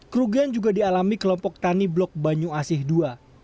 kerugian juga dialami kelompok tani blok banyu asih ii